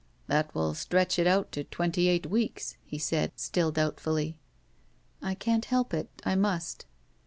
''That will stretch it out to twenty eight weeks," he said, still doubtfully. I can't help it; I must."